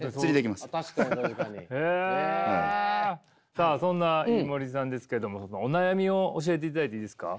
さあそんな飯森さんですけどもお悩みを教えていただいていいですか？